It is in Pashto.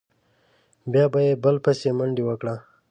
بیا به یې بل بسې منډه وکړه.